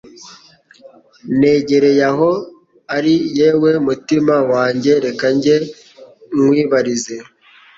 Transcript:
negere aho ari Yewe mutima wanjye Reka njye nkwibarize